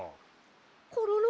コロロ？